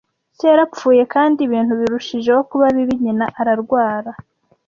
Se yarapfuye, kandi ibintu birushijeho kuba bibi, nyina ararwara.